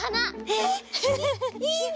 えっいいの？